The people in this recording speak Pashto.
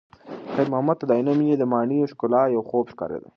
خیر محمد ته د عینومېنې د ماڼیو ښکلا یو خوب ښکارېده.